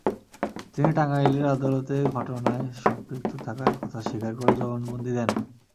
তিনি টাঙ্গাইলের আদালতে ঘটনায় সম্পৃক্ত থাকার কথা স্বীকার করে জবানবন্দি দেন।